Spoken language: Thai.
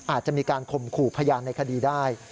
อาจจะมีการข่มขู่พยานในคดีได้